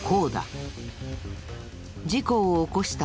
事故を起こした